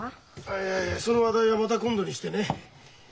はいはいその話題はまた今度にしてね。